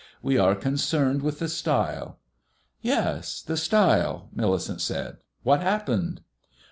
"We are concerned with the stile." "Yes, the stile," Millicent said. "What happened?"